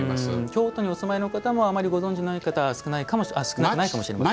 京都にお住まいの方もあまりご存じない方少なくないかもしれません。